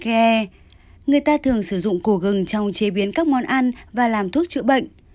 khi người ta thường sử dụng cổ gừng trong chế biến các món ăn và làm thuốc chữa bệnh